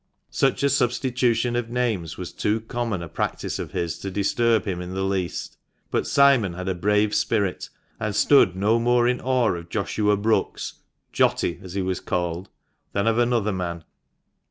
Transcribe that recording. Such a substitution of names was too common a practice of his to disturb him in the least But Simon had a brave spirit, and stood no more in awe of Joshua Brookes —" Jotty " as he was called — than of another man.